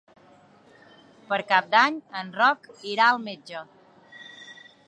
Per Cap d'Any en Roc irà al metge.